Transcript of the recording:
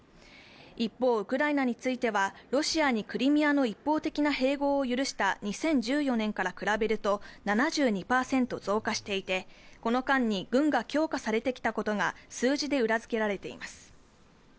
一方、ウクライナについては、ロシアにクリミアの一方的な併合を許した２０１４年から比べると７２％増加していてこの間に軍が強化されてきたことが数字で裏付けられ血増す。